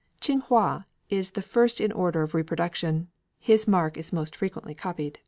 Ching hwa is the first in order of reproduction; his mark is most frequently copied.